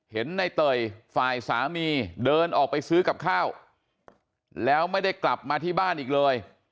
เห็นในเตยฝ่ายสามีเดินออกไปซื้อกับข้าวแล้วไม่ได้กลับมาที่บ้านอีกเลย